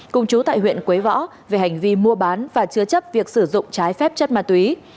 cùng chú tại huyện quế võ về hành vi mua bán và chứa chấp việc sử dụng trái phép chất ma túy